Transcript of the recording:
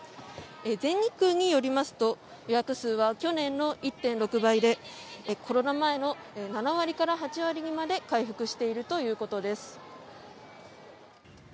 全日空によりますと予約数は去年の１．６倍でコロナ前の７割から８割にまで回復しているということです。